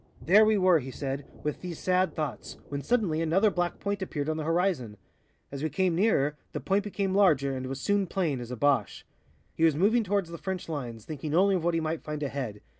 "There we were," he said, "with these sad thoughts, when suddenly another black point appeared on the horizon. As we came nearer, the point became larger and was soon plain, as a Boche. He was moving towards the French lines, thinking only of what he might find ahead.